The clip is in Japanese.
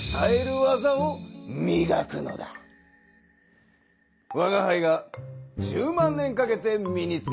わがはいが１０万年かけて身につけたさまざまな技。